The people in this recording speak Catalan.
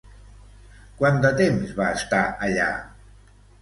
Quant de temps va estar allà?